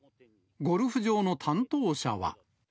ゴルフ場の担当者は。